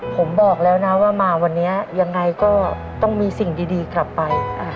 ผมบอกแล้วนะว่ามาวันนี้ยังไงก็ต้องมีสิ่งดีกลับไป